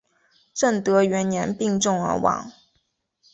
正德元年病重而亡。